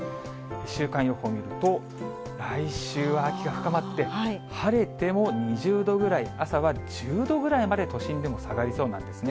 週間予報見ると、来週は秋が深まって、晴れても２０度ぐらい、朝は１０度ぐらいまで都心でも下がりそうなんですね。